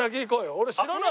俺知らないもん。